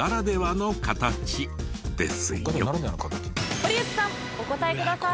堀内さんお答えください。